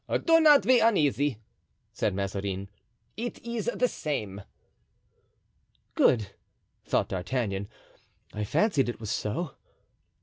"Do not be uneasy," said Mazarin; "it is the same." "Good!" thought D'Artagnan; "I fancied it was so."